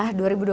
seperti apa mbak